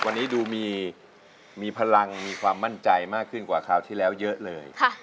วันนี้ดูมีพลังมีความมั่นใจมากขึ้นกว่าคราวที่แล้วเยอะเลย